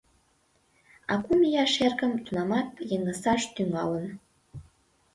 А кум ияш эргым тунамак йыҥысаш тӱҥалын: